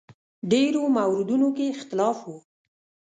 ډېرو موردونو کې اختلاف و.